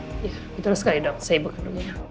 ya betul sekali dok saya ibu kandungnya